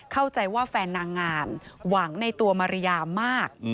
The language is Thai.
เข้าใจว่าแฟนนางงามหวังในตัวมาริยามาก